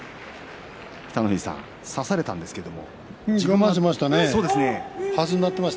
北の富士さん、差されたんですけれども。